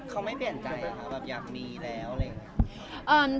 เขาไม่เปลี่ยนใจค่ะแบบอยากมีแล้วอะไรอย่างนี้